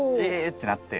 ってなって。